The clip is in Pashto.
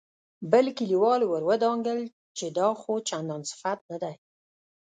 بل کليوال ور ودانګل چې دا خو چندان صفت نه دی.